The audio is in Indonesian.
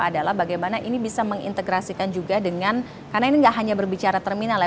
adalah bagaimana ini bisa mengintegrasikan juga dengan karena ini nggak hanya berbicara terminal ya